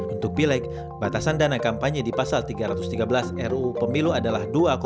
untuk pileg batasan dana kampanye di pasal tiga ratus tiga belas ruu pemilu adalah dua